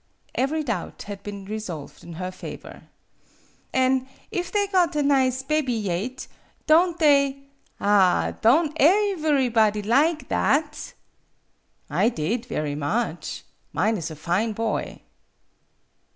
Every doubt had been resolved in her favor. '' An' if they got a nize bebby yaet don' they ah, don' aeverybody lig that ?"" I did, very much. Mine is a fine boy."